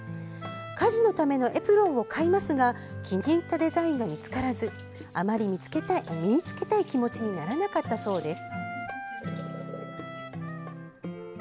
家事のためのエプロンを買いますが気に入ったデザインが見つからずあまり身に着けたい気持ちにならなかったそうです。